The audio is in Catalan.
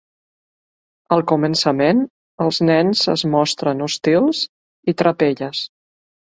Al començament, els nens es mostren hostils i trapelles.